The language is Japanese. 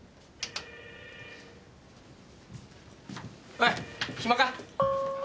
おい暇か？